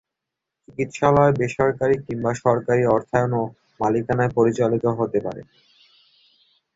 চিকিৎসালয় বেসরকারী কিংবা সরকারী অর্থায়ন ও মালিকানায় পরিচালিত হতে পারে।